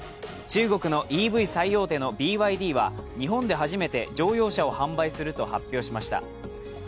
中国のＥＶ最大手のＢＹＤは日本で初めて乗用車を販売すると発表しました。